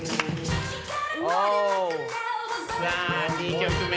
さあ２曲目。